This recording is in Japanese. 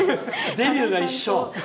デビューが一緒。